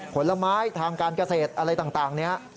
ผลไม้ทางการเกษตรอะไรต่างเนี่ย